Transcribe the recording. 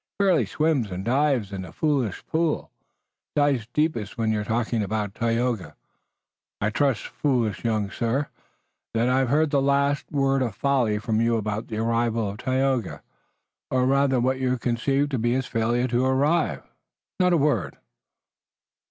It fairly swims and dives in the foolish pool, and it dives deepest when you're talking about Tayoga. I trust, foolish young, sir, that I've heard the last word of folly from you about the arrival of Tayoga, or rather what you conceive will be his failure to arrive. Peace, not a word!"